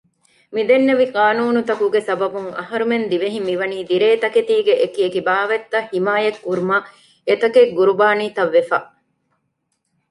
މިދެންނެވި ޤާނޫނުތަކުގެ ސަބަބުން އަހުރެމެން ދިވެހިން މިވަނީ ދިރޭތަކެތީގެ އެކިއެކި ބާވަތްތައް ޙިމާޔަތްކުރުމަށް އެތަކެއް ޤުރުބާނީތައް ވެފަ